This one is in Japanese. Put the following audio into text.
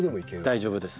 大丈夫です。